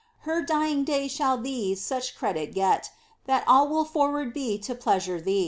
*Her djring day shall thee such credit get. That all will forward be to pleasure thee.